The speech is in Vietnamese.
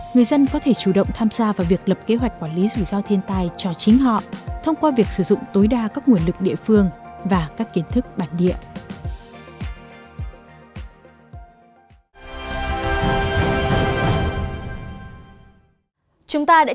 người dân có thể chủ động tham gia vào việc lập kế hoạch quản lý rủi ro thiên tai cho chính họ thông qua việc sử dụng tối đa các nguồn lực địa phương và các kiến thức bản địa